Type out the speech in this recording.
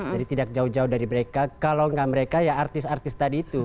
jadi tidak jauh jauh dari mereka kalau nggak mereka ya artis artis tadi itu